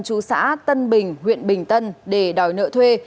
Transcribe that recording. chú xã tân bình huyện bình tân để đòi nợ thuê